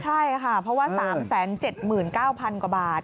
ใช่ค่ะเพราะว่า๓๗๙๐๐กว่าบาท